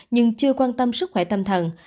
nhưng chưa quan tâm sức khỏe tâm thần